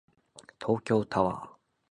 東京タワー